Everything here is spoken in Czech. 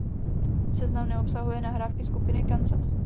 Seznam neobsahuje nahrávky skupiny Kansas.